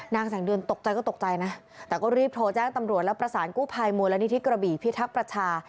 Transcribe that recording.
นางแสงเดือนตกใจก็ตกใจนะแต่ก็รีบโทรแจ้งตำรวจแล้วประสานกู้ภัยมูลนิธิกระบี่พิทักษ์ประชา